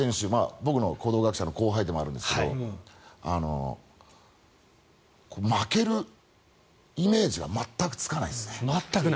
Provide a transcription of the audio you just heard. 僕の講道学舎の後輩でもありますが負けるイメージが全くつかないですね。